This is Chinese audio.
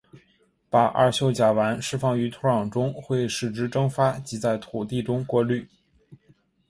把二溴甲烷释放于土壤中会使之蒸发及在土地中过滤。